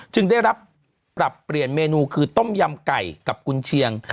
ได้รับปรับเปลี่ยนเมนูคือต้มยำไก่กับกุญเชียง